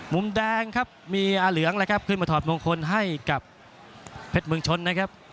มุมแดงครับมีอาเหลืองแล้วครับขึ้นมาถอดมงคลให้กับเพชรเมืองชนนะครับ